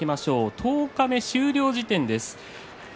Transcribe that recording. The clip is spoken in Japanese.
十日目終了時点です。